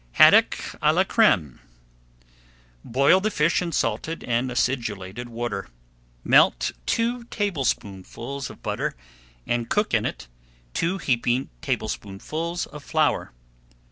HADDOCK À LA CRÈME Boil the fish in salted and acidulated water. [Page 168] Melt two tablespoonfuls of butter and cook in it two heaping tablespoonfuls of flour.